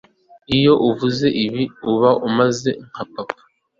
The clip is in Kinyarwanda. Iyo uvuze ibi uba umeze nka papa